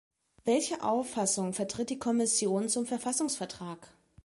Welche Auffassung vertritt die Kommission zum Verfassungsvertrag?